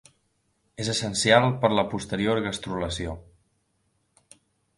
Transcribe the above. És essencial per la posterior gastrulació.